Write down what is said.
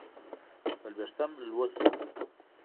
څلوېښتم لوست